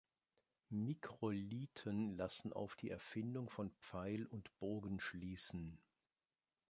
Mikrolithen lassen auf die Erfindung von Pfeil und Bogen schließen.